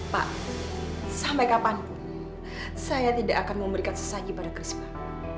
pak sampai kapan saya tidak akan memberikan sesati pada keris bapak